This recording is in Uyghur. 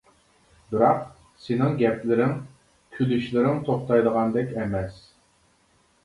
بىراق، سېنىڭ گەپلىرىڭ، كۈلۈشلىرىڭ توختايدىغاندەك ئەمەس.